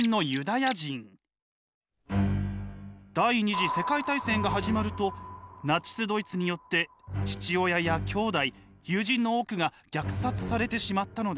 第２次世界大戦が始まるとナチスドイツによって父親やきょうだい友人の多くが虐殺されてしまったのです。